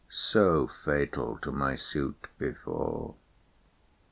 So fatal to my fuit before.